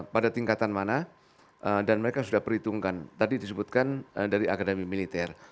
pada tingkatan mana dan mereka sudah perhitungkan tadi disebutkan dari akademi militer